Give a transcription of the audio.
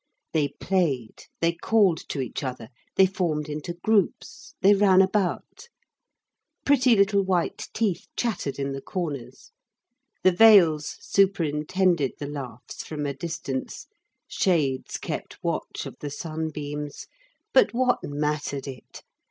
They played, they called to each other, they formed into groups, they ran about; pretty little white teeth chattered in the corners; the veils superintended the laughs from a distance, shades kept watch of the sunbeams, but what mattered it?